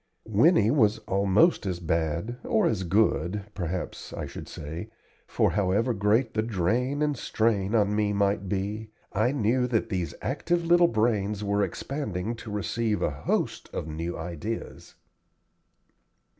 Winnie was almost as bad, or as good, perhaps I should say; for, however great the drain and strain on me might be, I knew that these active little brains were expanding to receive a host of new ideas.